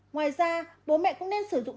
ngoài ra bố mẹ cũng nên sử dụng